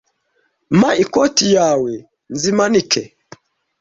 Mpa ikoti yawe. Nzimanika.